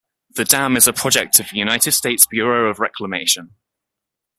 The dam is a project of the United States Bureau of Reclamation.